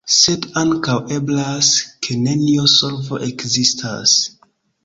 Sed ankaŭ eblas, ke nenio solvo ekzistas.